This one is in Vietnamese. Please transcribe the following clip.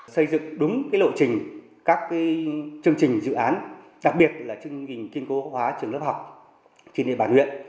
xây dựng đúng lộ trình các chương trình dự án đặc biệt là chương trình kiên cố hóa trường lớp học trên địa bàn huyện